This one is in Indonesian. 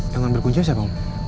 yang ambil kunci siapa om